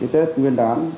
tết nguyên đán